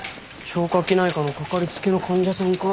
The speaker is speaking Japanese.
消化器内科のかかりつけの患者さんか。